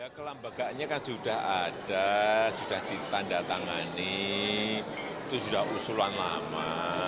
kelembagaannya kan sudah ada sudah ditanda tangani itu sudah usulan lama